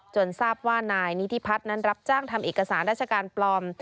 ทราบว่านายนิธิพัฒน์นั้นรับจ้างทำเอกสารราชการปลอม